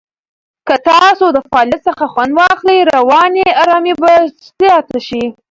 که تاسو د فعالیت څخه خوند واخلئ، رواني آرامۍ به زیاته شي.